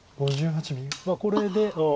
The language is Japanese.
これで。